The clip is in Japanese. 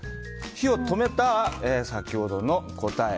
止めたら、先ほどの答え